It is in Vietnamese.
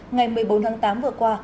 ngày một mươi bốn tháng tám vừa qua